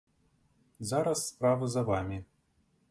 Зараз справа за вамі!